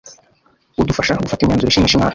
udufasha gufata imyanzuro ishimisha Imana